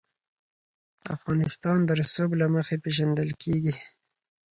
افغانستان د رسوب له مخې پېژندل کېږي.